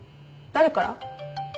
誰から？